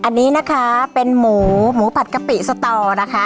อันนี้นะคะเป็นหมูหมูผัดกะปิสตอนะคะ